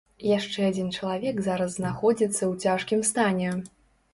Яшчэ адзін чалавек зараз знаходзіцца ў цяжкім стане.